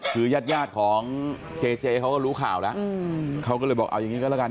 คือญาติยาดของเจเจเขาก็รู้ข่าวแล้วเขาก็เลยบอกเอาอย่างนี้ก็แล้วกัน